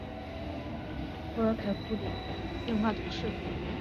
波尔凯里库尔人口变化图示